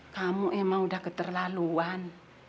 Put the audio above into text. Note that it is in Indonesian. kamu emang udah keterlaluan